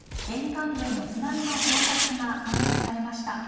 沿岸部への津波の到達が観測されました。